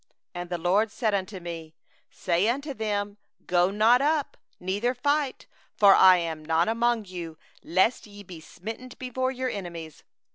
42And the LORD said unto me: 'Say unto them: Go not up, neither fight; for I am not among you; lest ye be smitten before your enemies.